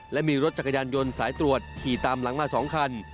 และมีรถจักรยานยนต์สายตรวจขี่ตามหลังมา๒คัน